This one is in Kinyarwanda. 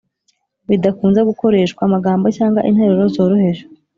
bidakunze gukoreshwa, amagambo cyangwa interuro zoroheje;